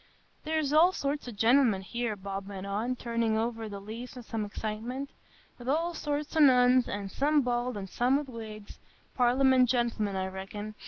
"There's all sorts o' genelmen here," Bob went on, turning over the leaves with some excitement, "wi' all sorts o' noses,—an' some bald an' some wi' wigs,—Parlament genelmen, I reckon.